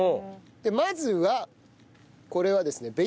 でまずはこれはですね